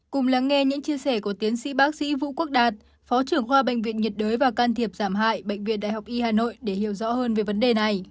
cùng lắng nghe những chia sẻ của tiến sĩ bác sĩ vũ quốc đạt phó trưởng khoa bệnh viện nhiệt đới và can thiệp giảm hại bệnh viện đại học y hà nội để hiểu rõ hơn về vấn đề này